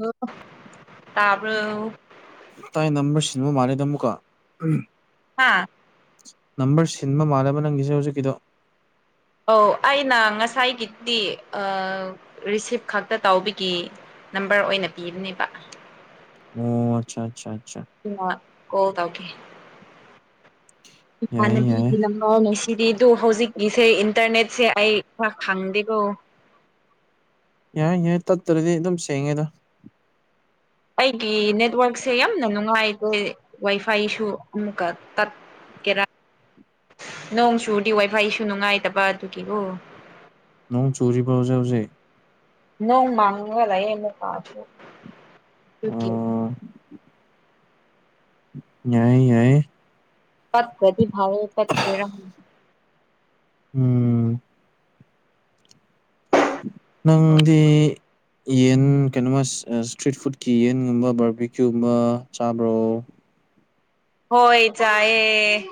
ꯂꯣ ꯇꯥꯕ꯭ꯔꯣ ꯇꯥꯏ ꯅꯝꯕꯔ ꯁꯤꯟꯕ ꯃꯥꯜꯂꯦꯗ ꯑꯃꯨꯛꯀ ꯍꯥꯥ ꯅꯝꯕꯔ ꯁꯤꯟꯕ ꯃꯥꯟꯂꯦꯕ ꯅꯪꯒꯤꯁꯦ ꯍꯧꯖꯤꯛꯀꯤꯗꯣ ꯑꯧ ꯑꯩꯅ ꯉꯁꯥꯏꯒꯤꯗꯤ ꯑ ꯔꯤꯁꯤꯞ ꯈꯛꯇ ꯇꯥꯎꯕꯤꯒꯤ ꯅꯝꯕꯔ ꯑꯣꯏꯅ ꯄꯤꯕꯅꯦꯕ ꯑꯣ ꯑꯆꯥ ꯆꯥ ꯆꯥ ꯇꯤꯅ ꯀꯣꯜ ꯇꯧꯒꯦ ꯌꯥꯏꯌꯦ ꯌꯥꯏꯌꯦ ꯏꯃꯥꯟꯅꯕꯤꯒꯤ ꯂꯝ ꯕꯔꯅꯦ ꯁꯤꯗꯤ ꯑꯗꯨ ꯍꯧꯖꯤꯛꯀꯤꯁꯦ ꯏꯟꯇꯔꯅꯦꯠꯁꯦ ꯑꯩ ꯈꯔ ꯈꯪꯗꯦꯀꯣ ꯌꯥꯏ ꯌꯥꯏ ꯇꯠꯇ꯭ꯔꯗꯤ ꯑꯗꯨꯝ ꯁꯦꯡꯉꯦꯗ ꯑꯩꯒꯤ ꯅꯦꯠꯋꯥꯛꯁꯦ ꯌꯥꯝꯅ ꯅꯨꯡꯉꯥꯏꯗꯦ ꯋꯥꯏ ꯐꯥꯏꯁꯨ ꯑꯃꯨꯛꯀ ꯇꯠ ꯀꯦꯔꯥ ꯅꯣꯡ ꯆꯨꯔꯗꯤ ꯋꯥꯏ ꯐꯥꯏꯁꯨ ꯅꯨꯡꯉꯥꯏꯇꯕ ꯑꯗꯨꯒꯤꯋꯣ ꯅꯣꯡ ꯆꯨꯔꯤꯕꯣ ꯍꯧꯖꯤꯛ ꯍꯧꯖꯤꯛ ꯅꯣꯡ ꯃꯥꯡꯉꯒ ꯂꯩꯌꯦ [unintelligible] ꯗꯨꯀꯤ ꯑ ꯌꯥꯏ ꯌꯥꯏ ꯇꯠꯇ꯭ꯔꯗꯤ ꯐꯔꯦ ꯇꯠꯀꯦꯔ ꯎꯝ ꯅꯪꯗꯤ ꯌꯦꯟ ꯀꯩꯅꯣꯃ ꯏꯁꯇ꯭ꯔꯤꯠ ꯐꯨꯗꯀꯤ ꯌꯦꯟꯒꯨꯝꯕ ꯕꯔꯕꯤꯀ꯭ꯌꯨꯒꯨꯝꯕ ꯆꯥꯕ꯭ꯔꯣ ꯍꯣꯏ ꯆꯥꯏꯌꯦ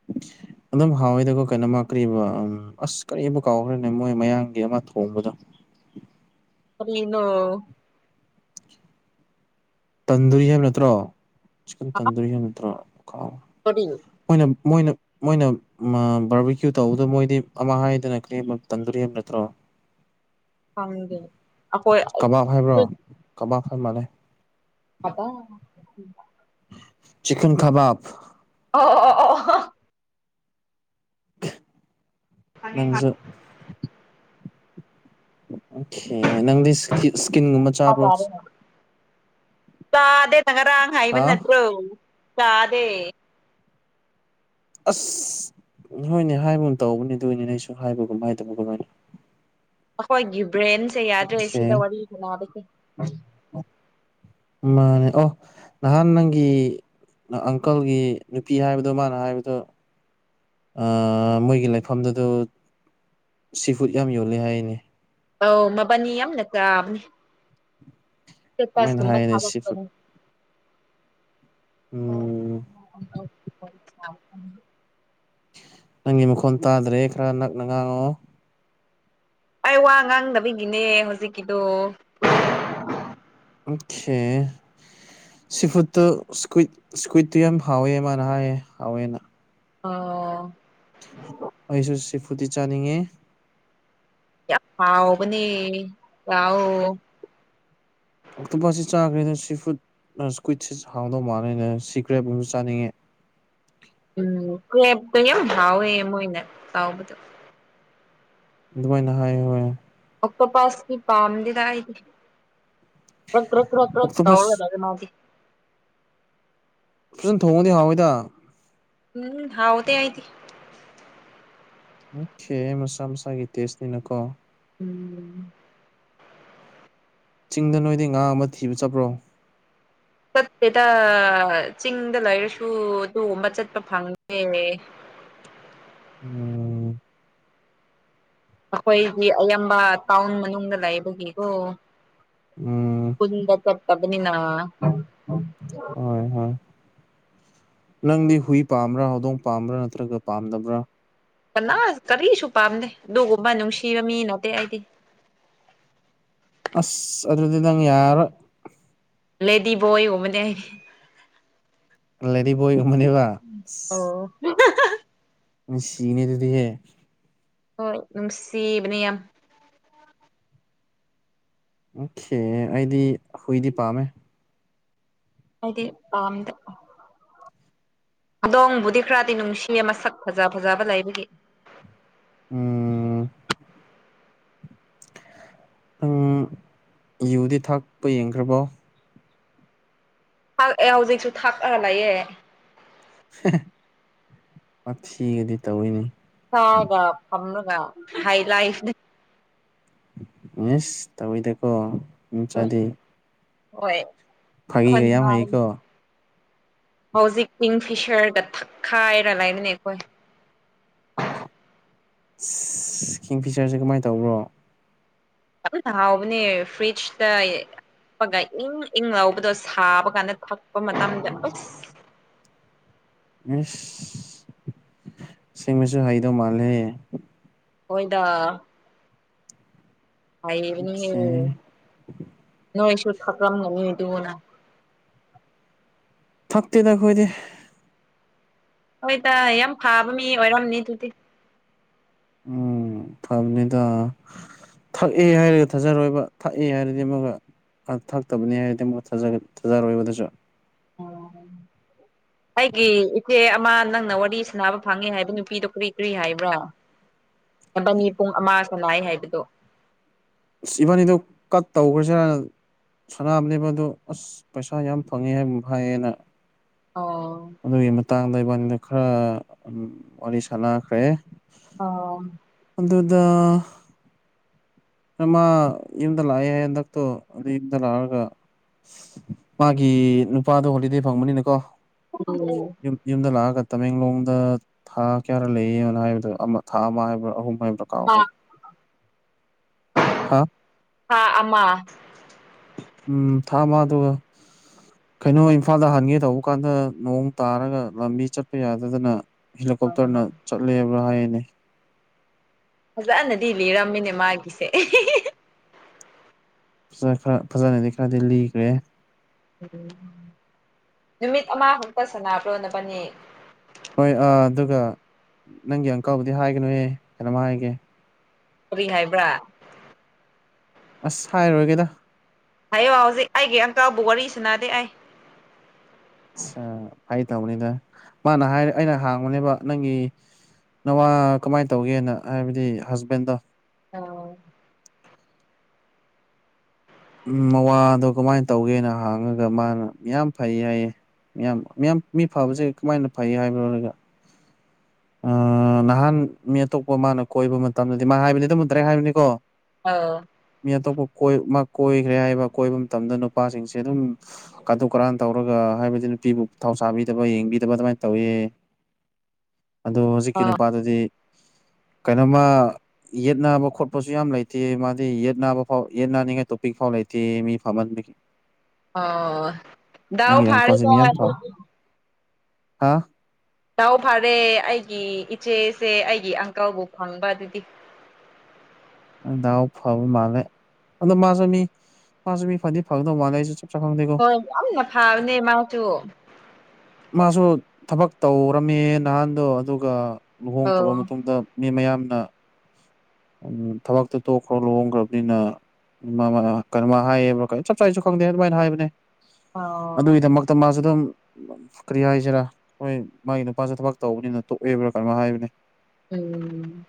[inaudible] ꯑꯗꯨꯝ ꯍꯥꯎꯋꯦꯗꯀꯣ ꯀꯩꯅꯣꯃ ꯀꯔꯤꯕ ꯎꯝ ꯑꯁ ꯀꯔꯤꯕꯨ ꯀꯥꯎꯈ꯭ꯔꯦꯅꯦ ꯃꯣꯏ ꯃꯌꯥꯡꯒꯤ ꯑꯃ ꯊꯣꯡꯕꯗꯣ ꯀꯔꯤꯅꯣ ꯇꯟꯗꯨꯔꯤ ꯍꯥꯏꯕ ꯅꯠꯇ꯭ꯔꯣ ꯆꯤꯛꯀꯟ ꯇꯟꯗꯨꯔꯤ ꯍꯥꯏꯕ ꯅꯠꯇ꯭ꯔꯣ‌‌ꯀꯥꯎꯒꯔꯦ ꯀꯔꯤ ꯃꯣꯏꯅ ꯃꯣꯏꯅ ꯃꯣꯏꯅ ꯕꯥꯔꯕꯤꯀ꯭ꯌꯨ ꯇꯧꯕꯗ ꯃꯣꯏꯗꯤ ꯑꯃ ꯍꯥꯏꯗꯅ ꯀꯕ ꯇꯟꯗꯨꯔꯤ ꯍꯥꯏꯕ‌ ꯅꯠꯇ꯭ꯔꯣ [inaudible] ꯈꯪꯗꯦ ꯑꯩꯈꯣꯏ ꯀꯕꯥꯛ ꯍꯥꯏꯕ꯭ꯔꯣ ꯀꯕꯥꯛ ꯍꯥꯏ ꯃꯥꯜꯂꯦ ꯀꯥꯕꯣꯛ ꯆꯤꯛꯟ ꯀꯕꯥꯞ ꯑꯣ ꯑꯣ ꯑꯣ ꯅꯪꯖꯨ ꯑꯣꯀꯦ ꯅꯪꯗꯤ ꯏꯁꯀꯤꯟꯒꯨꯝꯕ ꯆꯥꯕ꯭ꯔꯣ ꯆꯥꯗꯦꯅ ꯉꯥꯔꯥꯛ‌ ꯍꯥꯏꯕ ꯍꯥ ꯅꯠꯇ꯭ꯔꯣ ꯆꯥꯗꯦ ꯑꯁ ꯍꯣꯏꯅꯦ ꯍꯥꯏꯕꯒꯨꯝ‌ ꯇꯧꯕꯅꯦ ꯑꯗꯨ ꯑꯗꯨꯒꯤꯅꯤꯅꯦ ꯑꯩꯁꯨ ꯍꯥꯏꯕꯒꯨꯝ ꯍꯥꯏꯗꯕꯒꯨꯝ ꯀꯃꯥꯏꯅ ꯑꯩꯈꯣꯏꯒꯤ ꯕ꯭ꯔꯦꯟꯁꯦ ꯌꯥꯗ꯭ꯔꯦ ꯁꯤꯗ ꯁꯦ ꯋꯥꯔꯤ ꯁꯅꯕꯁꯦ ꯃꯥꯅꯦ ꯑꯣ ꯅꯍꯥꯟ ꯅꯪꯒꯤ ꯑꯪꯀꯜꯒꯤ ꯅꯨꯄꯤ ꯍꯥꯏꯕꯗꯣ ꯃꯥꯅ ꯍꯥꯏꯕꯗꯣ ꯑꯥ ꯃꯣꯏꯒꯤ ꯂꯩꯐꯝꯗꯨꯗ ꯁꯤ ꯐꯨꯗ ꯌꯥꯝ ꯌꯣꯜꯂꯤ ꯍꯥꯏꯅꯤ ꯑꯧ ꯃꯕꯅꯤ ꯌꯥꯝ ꯀꯥꯕꯅꯦ ꯑꯗꯨꯃꯥꯏꯅ ꯄꯥꯁꯒꯝꯕ ꯍꯥꯏꯌꯦꯅꯦ ꯊꯕꯛ ꯁꯤ ꯐꯨꯗ ꯇꯧ ꯎꯝ [unintelligible] ꯅꯪꯒꯤ ꯃꯈꯣꯟ ꯇꯥꯗ꯭ꯔꯦ ꯈꯔ ꯅꯛꯅ ꯉꯥꯡꯉꯑꯣ ꯑꯩ ꯋꯥ ꯉꯥꯡꯗꯕꯤꯒꯤꯅꯦ ꯍꯧꯖꯤꯛꯀꯤꯗꯣ ꯑꯣꯀꯦ ꯁꯤꯐꯨꯠꯇꯨ ꯁꯀꯨꯋꯠ ꯁ꯭ꯀꯨꯋꯤꯠꯇꯨ ꯌꯥꯝ ꯍꯥꯎꯋꯦ ꯃꯥꯅ ꯍꯥꯏꯌꯦꯦ ꯍꯥꯎꯋꯦꯅ ꯑꯣ ꯑꯩꯁꯨ ꯁꯤꯐꯨꯠꯇꯤ ꯆꯥꯅꯤꯡꯉꯤ ꯌꯥꯝ ꯍꯥꯎꯕꯅꯤ ꯆꯥꯎꯋꯦ ꯑꯇꯣꯞꯄꯥꯁꯤ ꯆꯥꯈ꯭ꯔꯦꯅ ꯁꯤ ꯐꯨꯗ ꯁꯀꯨꯋꯤꯠꯁ ꯍꯥꯎꯗꯧ ꯃꯥꯜꯂꯦꯅ ꯁꯤ ꯀ꯭ꯔꯦꯞ ꯑꯣꯏꯨꯝꯕ ꯆꯥꯅꯤꯡꯉꯦ ꯎꯝ ꯀꯔꯦꯄꯇꯣ ꯌꯥꯝ ꯍꯥꯎꯋꯦ ꯃꯣꯏꯅ‌ ꯇꯧꯕꯗꯣ ꯑꯗꯨꯃꯥꯏꯅ ꯍꯥꯏ ꯍꯣꯏ ꯑꯣꯛꯇꯣꯄꯥꯁꯇꯤ ꯄꯥꯝꯗꯦꯗ ꯑꯩꯗꯤ ꯗꯔꯛ ꯗꯔꯛ ꯑꯣꯛꯇꯣꯄꯁ ꯇꯧꯔ ꯂꯩꯔꯦ ꯃꯥꯗꯤ ꯐꯖꯟ ꯊꯣꯡꯉꯗꯤ ꯍꯥꯎꯏꯗ ꯎꯝ ꯍꯥꯎꯗꯦ ꯑꯩꯗꯤ ꯑꯣꯀꯦ ꯃꯁꯥ ꯃꯁꯥꯒꯤ ꯇꯦꯁꯅꯤꯅ ꯀꯣ ꯎꯝ ꯆꯤꯡꯗ ꯅꯣꯏꯗꯤ ꯉꯥ ꯑꯃ ꯊꯤꯕ ꯆꯠꯄ꯭ꯔꯣ ꯆꯠꯇꯦꯗ ꯆꯤꯡꯗ ꯂꯩꯔꯁꯨ ꯑꯗꯨꯒꯨꯕ ꯆꯠꯄ ꯐꯪꯗꯦꯅꯦ ꯎꯝ ꯑꯩꯈꯣꯏꯗꯤ ꯑꯌꯥꯝꯕ ꯇꯥꯎꯟ ꯃꯅꯨꯡꯗ ꯂꯩꯕꯒꯤꯀꯣ ꯎꯝ ꯄꯨꯟꯗ ꯆꯠꯇꯕꯄꯅꯤꯅ ꯍꯣꯏ ꯍꯣꯏ ꯅꯪꯗꯤ ꯍꯨꯏ ꯄꯥꯝꯕ꯭ꯔꯥ ꯍꯧꯗꯣꯡ ꯄꯥꯝꯕ꯭ꯔꯥ ꯅꯠꯇ꯭ꯔꯒ ꯄꯥꯝꯗꯕ꯭ꯔꯥ ꯀꯅꯥ ꯀꯔꯤꯁꯨ ꯄꯥꯝꯗꯦ ꯑꯗꯨꯒꯨꯝꯕ ꯅꯨꯡꯁꯤꯕ ꯃꯤ ꯅꯠꯇꯦ ꯑꯩꯗꯤ ꯑꯁ ꯑꯗꯨꯗꯤ ꯅꯪ ꯌꯥꯔꯔꯣꯏ ꯂꯦꯗꯤ ꯕꯣꯏꯒꯨꯝꯕꯅꯦ ꯂꯦꯗꯤ ꯕꯣꯏꯒꯨꯝꯕꯅꯦꯕ [unintelligible] ꯑꯣ ꯅꯨꯡꯁꯤꯅꯦ ꯑꯗꯨꯗꯤ ꯍꯦ ꯍꯣꯏ ꯅꯨꯡꯁꯤꯕꯅꯤ ꯌꯥꯝ ꯑꯣꯈꯦ ꯑꯩꯗꯤ ꯍꯨꯏꯗꯤ ꯄꯥꯝꯃꯦ ꯑꯩꯗꯤ ꯄꯥꯝꯗꯦ ꯍꯗꯣꯡꯕꯨꯗꯤ ꯈ꯭ꯔꯗꯤ ꯅꯨꯡꯁꯤꯌꯦ ꯃꯁꯛ ꯐꯖ ꯐꯖꯕ ꯂꯩꯕꯒꯤ ꯎꯝ [unintelligible] ꯌꯨꯗꯤ ꯊꯛꯄ ꯌꯦꯡꯈ꯭ꯔꯕꯣ ꯊꯛꯑꯦ ꯍꯧꯖꯤꯛꯁꯨ ꯊꯥꯛꯑꯒ ꯂꯩꯌꯦ [unintelligible] ꯋꯥꯊꯤꯒꯗꯤ ꯇꯧꯋꯤꯅꯦ ꯁꯥꯒ ꯊꯝꯔꯒ ꯍꯥꯢ ꯂꯥꯏꯐꯅꯦ ꯃꯤꯁ ꯇꯧꯏꯗꯀꯣ ꯃꯤ ꯃꯆꯥꯗꯤ ꯍꯣꯏ ꯈꯣꯟ ꯐꯥꯒꯤꯒ ꯌꯥꯝ [unintelligible] ꯍꯩꯀꯣ ꯍꯧꯖꯤꯛ ꯀꯤꯡ ꯐꯤꯁꯔꯒ ꯊꯛꯈꯥꯏꯔ ꯂꯩꯕꯅꯦ ꯑꯈꯣꯏ [unintelligible] ꯀꯤꯡ ꯐꯤꯆꯔꯁꯦ ꯀꯃꯥꯏ ꯇꯧꯕ꯭ꯔꯣ ꯌꯥꯝꯅ ꯍꯥꯎꯕꯅꯦ ꯐ꯭ꯔꯤꯖꯇ ꯊꯛꯄꯒ ꯏꯪ ꯏꯪ ꯂꯧꯕꯗꯣ ꯁꯥꯕ ꯀꯥꯟꯗ ꯊꯛꯄ ꯃꯇꯝꯗ ꯎꯁ ꯑꯁ ꯁꯦꯡꯅꯖꯨ ꯍꯩꯒꯗꯧ ꯃꯥꯜꯂꯦ ꯍꯦ ꯍꯣꯏꯗ ꯍꯩꯕꯅꯤ ꯑꯣꯀꯦ ꯅꯣꯏꯁꯨ ꯊꯥꯛꯔꯝꯒꯅꯤ ꯗꯨꯅ ꯊꯛꯇꯦꯗ ꯑꯈꯣꯏꯗꯤ ꯍꯣꯏꯗ ꯌꯥꯝ ꯐꯥꯕ ꯃꯤ ꯑꯣꯏꯔꯝꯅꯤ ꯑꯗꯨꯗꯤ ꯎꯝ ꯐꯥꯕꯅꯦꯗ ꯊꯛꯑꯦ ꯍꯥꯏꯔꯒ ꯊꯥꯖꯔꯣꯏꯕ ꯊꯛꯑꯦ ꯍꯥꯏꯔꯗꯤ ꯑꯃꯨꯛꯒ ꯊꯥꯛꯇꯕꯅꯤ ꯍꯥꯏꯔꯗꯤ ꯑꯃꯨꯒ ꯊꯥꯖꯔꯣꯏ ꯊꯥꯖꯔꯣꯢꯕꯗꯨꯁꯨ [unintelligible] ꯑꯩꯒꯤ ꯏꯆꯦ ꯑꯃ ꯅꯪꯅ ꯋꯥꯔꯤ ꯁꯟꯅꯥꯕ ꯐꯪꯉꯦ ꯍꯥꯏꯕ ꯅꯨꯄꯤꯗꯣ ꯀ꯭ꯔꯤ ꯀ꯭ꯔꯤ ꯍꯥꯏꯕ꯭ꯔꯣ꯫ ꯅꯕꯥꯅꯤ ꯄꯨꯡ ꯑꯃ ꯁꯅꯥꯥꯏꯌꯦ ꯍꯥꯏꯕꯗꯣ꯫ ꯏꯁ ꯏꯕꯥꯅꯤꯗꯣ ꯀꯠ ꯇꯧꯈ꯭ꯔꯁꯤꯔꯅ ꯁꯅꯥꯕꯅꯦꯕ ꯑꯗꯨ ꯑꯁ ꯄꯩꯁꯥ ꯌꯥꯝ ꯐꯪꯉꯦ ꯍꯥꯏꯕꯝ ꯍꯥꯏꯌꯦꯅ꯫ ꯑꯣ ꯑꯗꯨꯒꯤ ꯃꯇꯥꯡꯗ ꯏꯕꯥꯅꯤꯗ ꯈ꯭ꯔ ꯋꯥꯔꯤ ꯁꯥꯟꯅꯥꯈ꯭ꯔꯦ꯫ ꯑꯥꯎ ꯑꯗꯨꯗ ꯗ ꯃꯥ ꯌꯨꯝꯗ ꯂꯥꯛꯑꯦ ꯍꯥꯏ ꯍꯟꯗꯛꯇꯣ ꯑꯗꯨ ꯌꯨꯝꯗ ꯂꯥꯛꯑꯒ ꯃꯥꯒꯤ ꯅꯨꯄꯥꯗꯣ ꯍꯣꯂꯤꯗꯦ ꯐꯪꯕꯅꯤꯅꯀꯣ [unintelligible] ꯎꯝ ꯌꯨꯝ ꯌꯨꯝꯗ ꯂꯥꯛꯑꯒ ꯇꯃꯦꯡꯂꯣꯡꯗ ꯊꯥ ꯀ꯭ꯌꯥꯥꯔꯥ ꯂꯩꯌꯦꯅ ꯍꯥꯏꯕꯗꯣ ꯑꯃ ꯊꯥ ꯑꯃ ꯍꯥꯏꯕ꯭ꯔꯥ ꯑꯍꯨꯝ ꯍꯥꯏꯕ꯭ꯔꯥ ꯊꯥ ꯀꯥꯎꯈ꯭ꯔꯦ ꯍꯥ ꯊꯥ ꯑꯃ ꯎꯝ ꯊꯥ ꯑꯃ ꯑꯗꯨꯒ ꯀꯩꯅꯣ ꯏꯝꯐꯥꯜꯗ ꯍꯟꯒꯦ ꯇꯧꯕ ꯀꯥꯟꯗ ꯅꯣꯡ ꯇꯥꯔꯒ ꯂꯝꯕꯤ ꯆꯠꯄ ꯌꯥꯗꯗꯅ ꯍꯦꯂꯤꯀꯣꯞꯇꯔꯅ ꯆꯠꯂꯦꯕ꯭ꯔꯥ ꯍꯥꯏꯌꯦꯅꯦ꯫ ꯐꯖꯟꯅꯗꯤ ꯂꯤꯔꯝꯃꯤꯅꯦ ꯃꯥꯒꯤꯁꯦ [unintelligible] ꯉꯁꯥꯢ ꯈꯔ ꯐꯖꯅꯗꯤ ꯈꯔꯗꯤ ꯂꯤꯈ꯭ꯔꯦ꯫ ꯎꯝ ꯅꯨꯃꯤꯠ ꯑꯃ ꯈꯛꯇ ꯁꯅꯥꯕ꯭ꯔꯣ ꯅꯕꯅꯤ꯫ ꯍꯣꯏ ꯑꯥ ꯑꯗꯨꯒ ꯅꯪꯒꯤ ꯑꯪꯀꯜꯕꯨꯗꯤ ꯍꯥꯏꯒꯅꯨꯌꯦ ꯀꯩꯅꯣꯝ ꯍꯥꯏꯒꯦ ꯀꯔꯤ ꯍꯥꯏꯕ꯭ꯔꯥ ꯑꯁ ꯍꯥꯏꯔꯣꯏꯒꯦꯗ ꯍꯥꯏꯌꯣ ꯍꯧꯖꯤꯛ ꯑꯩꯒꯤ ꯑꯪꯀꯜꯕꯨ ꯋꯥꯔꯤ ꯁꯅꯗꯦ ꯑꯩ ꯑꯠꯆꯥ ꯐꯒꯤ ꯇꯧꯕꯅꯤꯗ ꯃꯥꯅ ꯍꯥꯏꯔꯦ ꯑꯩꯅ ꯍꯥꯡꯕꯅꯦꯕ ꯅꯪꯒꯤ ꯅꯋꯥ ꯀꯃꯥꯏ ꯇꯧꯒꯦꯅ ꯍꯥꯏꯕꯗꯤ ꯍꯁꯕꯦꯟꯗꯣ꯫ ꯑꯝ ꯎꯝ ꯃꯋꯥꯗꯣ ꯀꯃꯥꯏꯅ ꯇꯧꯒꯦꯅ ꯍꯥꯡꯉꯒ ꯃꯥꯅ ꯌꯥꯝ ꯐꯩ ꯍꯥꯏꯌꯦ꯫ ꯃꯤꯌꯥꯝ ꯃꯤꯌꯥꯝ ꯃꯤ ꯐꯕꯁꯦ ꯀꯃꯥꯏꯅ ꯐꯩ ꯍꯥꯏꯕ꯭ꯔꯣ ꯍꯥꯢꯔꯒ꯫ ꯑꯥ ꯅꯍꯥꯟ ꯃꯤ ꯑꯇꯣꯞꯄ ꯃꯥꯅ ꯀꯣꯏꯕ ꯃꯇꯝꯗꯗꯤ ꯃꯥ ꯍꯥꯏꯕꯅꯤ ꯑꯗꯨꯝ ꯇꯔꯦꯛ ꯍꯥꯏꯕꯅꯤꯀꯣ ꯑꯥꯎ ꯃꯤ ꯑꯇꯣꯞꯄ ꯀꯣꯏ ꯃꯥ ꯀꯣꯏꯒ꯭ꯔꯦ ꯍꯥꯏꯕ ꯀꯣꯏꯕ ꯃꯇꯝꯗ ꯅꯨꯄꯥꯁꯤꯡꯁꯦ ꯑꯗꯨꯝ ꯀꯇꯨ ꯀꯔꯥꯟ ꯇꯧꯔꯒ ꯍꯥꯏꯕꯗꯤ ꯅꯨꯄꯤꯕꯨ ꯊꯥꯎ ꯁꯥꯕꯤꯗꯕ ꯌꯦꯡꯕꯤꯗꯕ ꯑꯗꯨꯃꯥꯏꯅ ꯇꯧꯏ꯫ ꯑꯗꯣ ꯑ ꯍꯧꯖꯤꯛꯒꯤ ꯅꯨꯄꯥꯗꯨꯗꯤ [inaudible] ꯀꯩꯅꯣꯃ ꯌꯦꯠ ꯅꯥꯕ ꯈꯣꯠꯄꯁꯨ ꯌꯥꯝ ꯂꯩꯇꯦ ꯃꯥꯗꯤ ꯌꯦꯠ ꯅꯥꯕ ꯐꯥꯎ ꯌꯦꯠ ꯅꯥꯅꯤꯡꯉꯥꯏ ꯇꯣꯄꯤꯛ ꯐꯥꯎ ꯂꯩꯇꯦ ꯃꯤ ꯐꯝꯃꯟꯕꯒꯤ꯫ ꯑꯣ ꯗꯥꯎ ꯅꯪꯒꯤ ꯐꯥꯔꯦ ꯑꯪꯀꯜꯁꯦ ꯀꯣ ꯃꯤ ꯌꯥꯝ ꯐ ꯑꯗꯨꯗꯤ ꯍꯥ ꯗꯥꯎ ꯐꯔꯦ ꯑꯩꯒꯤ ꯏꯆꯦꯁꯦ ꯑꯩꯒꯤ ꯑꯪꯀꯜꯕꯨ ꯐꯪꯕ ꯑꯗꯨꯗꯤ ꯗꯥꯎ ꯐꯕ ꯃꯥꯜꯂꯦ ꯑꯗꯣ ꯃꯥꯁꯨ ꯃꯤ ꯃꯥꯁꯨ ꯃꯤ ꯐꯗꯤ ꯐꯒꯗꯧ ꯃꯥꯜꯂꯦ ꯑꯩꯁꯨ ꯆꯞ ꯆꯥꯕꯗꯤ ꯈꯪꯗꯦ ꯍꯣꯏ ꯌꯥꯝꯅ ꯐꯥꯕꯅꯦ ꯃꯥꯖꯨ ꯃꯥꯁꯨ ꯊꯕꯛ ꯇꯧꯔꯝꯃꯦ ꯅꯍꯥꯟꯗꯣ ꯑꯗꯨꯒ ꯑꯧ ꯂꯨꯍꯣꯡꯈ꯭ꯔꯕ ꯃꯇꯨꯡꯗ ꯃꯤ ꯃꯌꯥꯝꯅ ꯊꯕꯛꯇꯣ ꯇꯣꯛꯈ꯭ꯔꯣ ꯂꯨꯍꯣꯡꯒ꯭ꯔꯕꯅꯤꯅ꯫ ꯀꯩꯅꯣꯃ ꯍꯥꯏꯌꯦꯕꯤ ꯀꯩ ꯆꯞ ꯆꯥꯕꯁꯨ ꯈꯪꯗꯦ ꯑꯗꯨꯃꯥꯏꯅ ꯍꯥꯏꯕꯅꯦ꯫ ꯑꯣ ꯑꯗꯨꯒꯤꯗꯃꯛꯇ ꯃꯥꯖꯨ ꯑꯗꯨꯝ ꯀꯔꯤ ꯍꯥꯏꯁꯤꯔꯥ ꯍꯣꯏ ꯃꯥꯒꯤ ꯅꯨꯄꯥꯁꯨ ꯊꯕꯛ ꯇꯧꯕꯅꯤꯅ ꯇꯣꯛꯑꯦꯕ꯭ꯔꯥ ꯀꯥꯏꯅꯣꯝꯃꯥ ꯍꯥꯏꯕꯅꯦ꯫ ꯎꯝ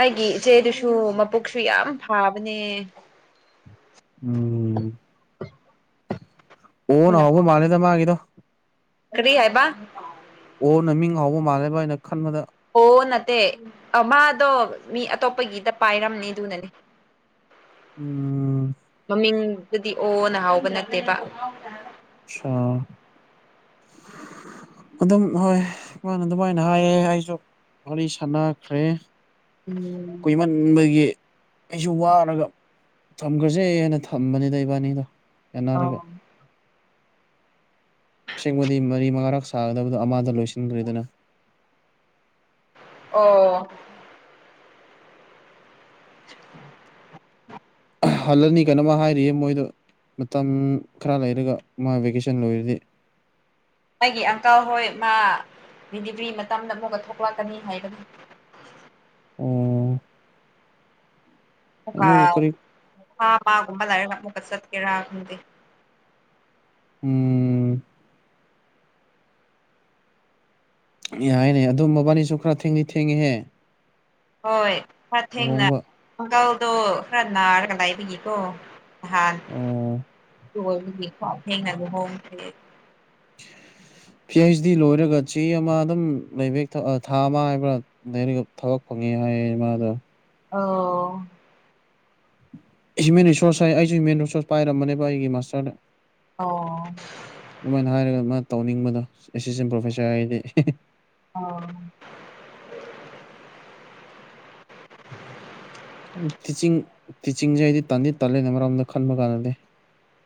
ꯑꯩꯒꯤ ꯏꯆꯦꯗꯨꯁꯨ ꯃꯄꯨꯛꯁꯨ ꯌꯥꯝ ꯐꯥꯕꯅꯦ꯫ ꯎꯝ ꯑꯣꯅ ꯍꯧꯕ ꯃꯥꯜꯂꯦꯗ ꯃꯥꯒꯤꯗꯣ ꯀꯔꯤ ꯍꯥꯏꯕ ꯑꯣ ꯅ ꯃꯤꯡ ꯍꯥꯎꯕ ꯃꯥꯜꯂꯦꯕ ꯑꯩꯅ ꯈꯟꯕꯗ ꯑꯣ ꯅꯠꯇꯦ ꯃꯥꯗꯣ ꯃꯤ ꯑꯇꯣꯞꯄꯒꯤꯗ ꯄꯥꯏꯔꯝꯅꯤ ꯑꯗꯨꯅꯅꯦ ꯐ [inaudible] ꯎꯝ ꯃꯃꯤꯡꯗꯨꯗꯤ ꯑꯣꯅ ꯍꯥꯎꯕ ꯅꯠꯇꯦꯕ ꯑꯆꯥ [inaudible] ꯑꯗꯨꯝ ꯍꯣꯏ ꯃꯥꯅ ꯑꯗꯨꯃꯥꯏꯅ ꯍꯥꯏꯌꯦ ꯑꯩꯁꯨ ꯋꯥꯔꯤ ꯁꯥꯟꯅꯈ꯭ꯔꯦ ꯎꯝ ꯗꯒꯤ ꯑꯩꯁꯨ ꯋꯥꯔꯒ ꯊꯝꯈ꯭ꯔꯁꯦ ꯍꯥꯏꯅ ꯊꯝꯕꯅꯤꯗ ꯏꯕꯥꯅꯤꯗꯣ ꯑ ꯌꯥꯟꯅꯔꯒ ꯑꯁꯦꯡꯕꯗꯤ ꯃꯔꯤ ꯃꯉꯥꯔꯛ ꯁꯥꯒꯗꯕꯗꯣ ꯑꯃꯗ ꯂꯣꯏꯁꯤꯟꯗ꯭ꯔꯗꯅ ꯑꯣ [inaudible] ꯍꯜꯂꯅꯤ ꯀꯩꯅꯣꯃ ꯍꯥꯏꯔꯤꯌꯦ ꯃꯣꯏꯗꯣ ꯃꯇꯝ ꯈꯔ ꯂꯩꯔꯒ ꯃꯥ ꯚꯦꯀꯦꯁꯟ ꯂꯣꯏꯔꯗꯤ꯫ ꯑꯩꯒꯤ ꯑꯪꯀꯜ ꯍꯣꯏ ꯃꯥ ꯗꯤꯂꯤꯕ꯭ꯔꯤ ꯃꯇꯝꯗ ꯑꯃꯒ ꯊꯣꯛꯂꯛꯀꯅꯤ ꯍꯥꯏꯕꯅꯤ꯫ ꯑꯣ꯫ ꯑꯃꯨꯛꯀ ꯑꯗꯨ ꯀꯔꯤ ꯐꯥꯞ ꯄꯥꯞ ꯀꯨꯝꯕ ꯂꯩꯔꯒ‌ ꯑꯃꯨꯛꯀ ꯆꯠꯀꯦꯔꯥ ꯈꯪꯗꯦ꯫ ꯎꯝ꯫ ꯌꯥꯏꯅꯦ ꯑꯗꯨꯝ ꯃꯕꯥꯅꯤꯁꯨ ꯈꯔ ꯊꯦꯡꯗꯤ ꯊꯦꯡꯉꯤꯍꯦ꯫ ꯍꯣꯏ ꯈꯔ ꯊꯦꯡꯅ ꯂꯨꯍꯣꯡꯕ ꯑꯪꯀꯜꯗꯣ ꯈꯔ ꯅꯥꯔꯒ ꯂꯥꯏꯕꯒꯤꯀꯣ꯫ ꯅꯍꯥꯟ ꯑꯣ ꯗꯨꯑꯣꯏꯕꯒꯤ ꯊꯦꯡꯅ‌ ꯂꯨꯍꯣꯜ ꯈ꯭ꯔꯦ꯫ [inaudible] ꯄꯤ ꯍꯩꯁ ꯗꯤ ꯂꯣꯏꯔꯒ ꯆꯦ ꯑꯃ ꯑꯗꯨꯝ ꯂꯩꯕꯦꯛ ꯊꯥ ꯑꯃ ꯍꯥꯏꯕ꯭ꯔꯥ꯫ ꯂꯩꯔꯒ ꯊꯕꯛ ꯐꯪꯉꯦ ꯍꯥꯏꯌꯦ ꯃꯥꯗꯣ꯫ ꯑꯣ꯫ ꯍ꯭ꯌꯨꯃꯦꯟ ꯔꯤꯁꯣꯔꯁ ꯍꯥꯏ ꯑꯩꯁꯨ ꯍ꯭ꯌꯨꯃꯦꯟ ꯔꯤꯁꯣꯔꯁ ꯄꯥꯏꯔꯝꯕꯅꯦꯕ ꯑꯩꯒꯤ ꯃꯥꯁꯇ꯭ꯔꯗ꯫ ꯑꯣ꯫ ꯑꯗꯨꯃꯥꯏꯅ ꯍꯥꯏꯔꯒ ꯃꯥ ꯇꯧꯅꯤꯡꯕꯗꯣ ꯑꯦꯁꯤꯁꯇꯦꯟ ꯄ꯭ꯔꯣꯐꯦꯁꯥꯔ ꯍꯥꯏꯗꯤ꯫ ꯑꯣ꯫ ꯇꯤꯆꯤꯡ ꯇꯤꯆꯤꯡꯁꯦ ꯑꯩꯗꯤ ꯇꯥꯟꯗꯤ ꯇꯥꯂꯦ ꯑꯃꯔꯣꯝꯗ ꯈꯟꯕ ꯀꯥꯟꯗꯗꯤ꯫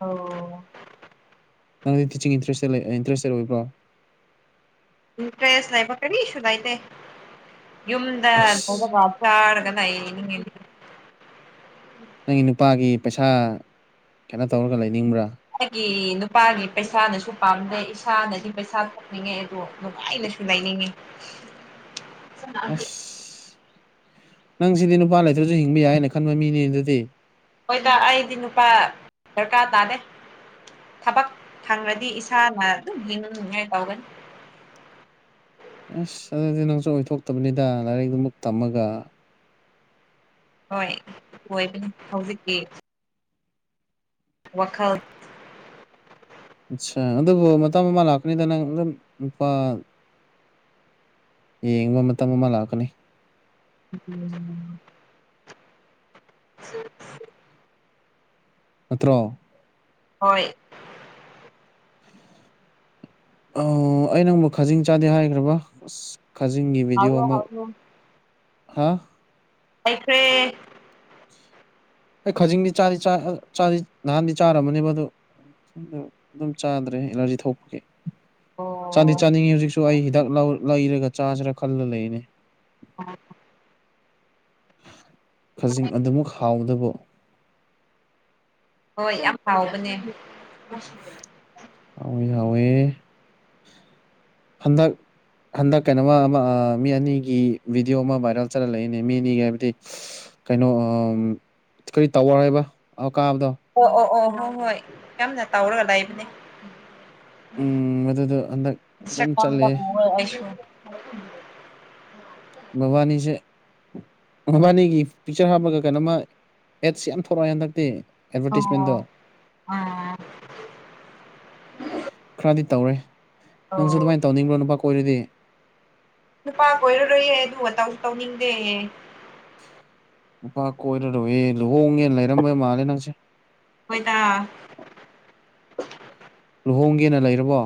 ꯑꯣ꯫ ꯅꯪꯗꯤ ꯇꯤꯆꯤꯡ ꯏꯟꯔꯦꯁ ꯏꯟꯇꯦꯁꯇꯦꯠ ꯑꯣꯏꯕ꯭ꯔꯣ꯫ ꯏꯟꯇ꯭ꯔꯦꯁ ꯂꯩꯕ ꯀꯔꯤꯁꯨ ꯂꯩꯇꯦ ꯌꯨꯝꯗ ꯑꯁ [unintelligible] ꯆꯥꯔꯒꯂꯩꯅꯤꯡꯉꯦ꯫ ꯅꯪꯒꯤ ꯅꯨꯄꯥꯒꯤ ꯄꯩꯁꯥ ꯀꯩꯅꯣ ꯇꯧꯔꯒ ꯂꯩꯅꯤꯡꯕ꯭ꯔꯥ꯫ ꯑꯩꯒꯤ ꯅꯨꯄꯥꯒꯤ ꯄꯩꯁꯥꯅꯁꯨ ꯄꯥꯝꯗꯦ ꯏꯁꯥꯅꯗꯤ ꯄꯩꯁꯥ ꯅꯤꯡꯉꯦ ꯑꯗꯨ ꯅꯨꯉꯥꯏꯅꯁꯨꯂꯩꯅꯤꯡꯉꯦ꯫ ꯑꯁ ꯅꯪ ꯁꯤꯗꯤ ꯅꯨꯄꯥ ꯂꯩꯇ꯭ꯔꯁꯨ ꯍꯤꯡꯕ ꯌꯥꯏꯅ ꯈꯟꯕ ꯃꯤꯅꯤ ꯑꯗꯨꯗꯤ꯫ ꯍꯣꯏꯗ ꯑꯩꯗꯤ ꯅꯨꯄꯥ ꯗꯔꯀꯥꯔ ꯇꯥꯗꯦ꯫ ꯊꯕꯛ ꯐꯪꯉꯔꯗꯤ ꯏꯁꯥꯅ ꯑꯗꯨꯝ ꯍꯤꯡꯉꯥꯏ ꯇꯧꯒꯅꯤ꯫ ꯑꯁ ꯑꯗꯨꯗꯤ ꯅꯪꯁꯨ ꯑꯣꯏꯊꯣꯛꯇꯕꯅꯤꯗ ꯂꯥꯏꯔꯤꯛꯇꯨꯃꯨꯛ ꯇꯝꯃꯒ꯫ ꯍꯣꯏ ꯑꯣꯏꯕꯅꯤ ꯍꯧꯖꯤꯛꯀꯤ꯫ ꯋꯥꯈꯜ꯫ ꯑꯆꯥ ꯑꯗꯨꯕꯨ ꯃꯇꯝ ꯑꯃ ꯂꯥꯛꯀꯅꯤꯗ ꯅꯪ ꯑꯗꯨꯝ ꯅꯨꯄꯥ ꯌꯦꯡꯕ ꯃꯇꯝ ꯑꯃ ꯂꯥꯛꯀꯅꯤ꯫ ꯎꯝ꯫ ꯅꯠꯇ꯭ꯔꯣ꯫ ꯍꯣꯏ꯫ ꯑ ꯑꯩ ꯅꯪꯕꯨ ꯈꯥꯖꯤꯡ ꯆꯥꯗꯦ ꯍꯥꯏꯈ꯭ꯔꯕ ꯑꯁ ꯈꯖꯤꯡꯒꯤ ꯚꯤꯗꯤꯑꯣ ꯍꯥꯎꯔꯣ ꯑꯃ ꯍꯥꯎꯔꯣ ꯍꯥ ꯍꯩꯈ꯭ꯔꯦ꯫ ꯑꯩ ꯈꯖꯤꯡꯗꯤ ꯆꯥꯗꯤ ꯆꯥꯏ ꯅꯍꯥꯟꯗꯤ ꯆꯥꯔꯝꯃꯅꯦꯕ ꯑꯗꯣ ꯈꯪꯗꯦ ꯑꯗꯨꯝ ꯆꯥꯗ꯭ꯔꯦ ꯑꯦꯂꯥꯔꯖꯤ ꯊꯣꯛꯄꯒꯤ꯫ ꯆꯥꯗꯤ ꯑꯣ ꯆꯥꯅꯤꯡꯉꯤ ꯍꯧꯖꯤꯛꯁꯨ ꯑꯩ ꯍꯤꯗꯥꯛ ꯂꯧ ꯂꯩꯔꯒ ꯆꯥꯁꯤꯔꯥ ꯈꯜꯂ ꯂꯩꯔꯤꯅꯦ꯫ [unintelligible] ꯈꯖꯤꯡ ꯑꯗꯨꯃꯨꯛ ꯍꯥꯎꯗꯨꯕꯨ꯫ ꯍꯣꯏ ꯌꯥꯝ ꯍꯥꯎꯕꯅꯦ꯫ ꯑꯧ ꯌꯥꯎꯋꯦ ꯍꯟꯗꯛ ꯍꯟꯗꯛ ꯀꯩꯅꯣꯃ ꯑꯃ ꯃꯤ ꯑꯅꯤꯒꯤ ꯚꯤꯗꯤꯑꯣ ꯑꯃ ꯚꯥꯏꯔꯦꯜ ꯆꯠꯂꯒ ꯂꯩꯅꯦ ꯃꯤ ꯑꯅꯤꯒꯤ ꯍꯥꯏꯕꯗꯤ ꯀꯩꯅꯣ ꯀꯔꯤ ꯇꯧꯕꯔ ꯍꯥꯏꯕ ꯀꯥꯕꯗꯣ ꯑꯣ ꯑꯣ ꯑꯣ ꯍꯣꯏ ꯍꯣꯏ ꯌꯥꯝꯅ ꯇꯧꯔꯒ ꯂꯩꯕꯅꯦ ꯎꯝ ꯑꯗꯨꯗꯣ ꯍꯟꯗꯛ [unintelligible] ꯐꯖꯅ ꯆꯠꯂꯦ ꯑꯩꯁꯨ [unintelligible] ꯃꯕꯥꯅꯤꯁꯦ ꯃꯕꯥꯅꯤꯒꯤ ꯄꯤꯛꯆꯔ ꯍꯥꯞꯄꯒ ꯀꯩꯅꯣꯃ ꯑꯦꯠꯁ ꯌꯥꯝ ꯊꯣꯔꯛꯑꯦ ꯍꯟꯗꯛꯇꯤ ꯑꯦꯠꯚꯥꯔꯇꯤꯁꯃꯦꯟꯗꯣ ꯑꯣ ꯑꯥ ꯈꯔꯗꯤ ꯇꯧꯔꯦ ꯅꯪꯁꯨ ꯑꯧ ꯑꯗꯨꯃꯥꯏꯅ ꯇꯧꯅꯤꯡꯕ꯭ꯔꯣ ꯅꯨꯄꯥ ꯀꯣꯏꯔꯗꯤ ꯅꯨꯄꯥ ꯀꯣꯏꯔꯔꯣꯏꯌꯦ ꯑꯗꯨ ꯇꯧꯁꯨ ꯇꯧꯅꯤꯡꯗꯦ ꯅꯨꯄꯥ ꯀꯣꯏꯔꯔꯣꯏꯌꯦ ꯂꯨꯍꯣꯡꯒꯦꯅ ꯂꯩꯔꯝꯕ ꯃꯥꯜꯂꯦ ꯅꯪꯁꯦ ꯍꯣꯏꯗ ꯂꯨꯍꯣꯡꯒꯦꯅ ꯂꯩꯔꯕꯣ